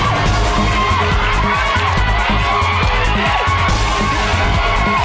มาลุ้นกันนะครับว่าโบนัสหลังตู้